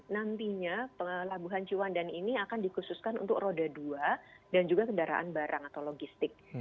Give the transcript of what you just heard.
nantinya pelabuhan ciwandan ini akan dikhususkan untuk roda dua dan juga kendaraan barang atau logistik